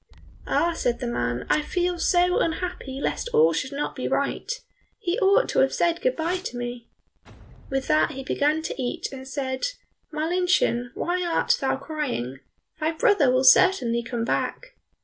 "Ah," said the man, "I feel so unhappy lest all should not be right. He ought to have said good bye to me." With that he began to eat and said, "Marlinchen, why art thou crying? Thy brother will certainly come back."